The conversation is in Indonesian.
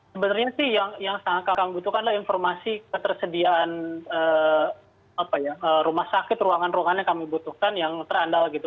sebenarnya sih yang sangat kami butuhkan adalah informasi ketersediaan rumah sakit ruangan ruangan yang kami butuhkan yang terandal gitu